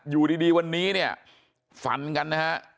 อยู่ดีวันนี้เนี่ยฝันกันนะฮะ